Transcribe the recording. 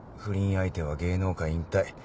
不倫相手は芸能界引退。